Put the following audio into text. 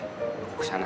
gue ke sana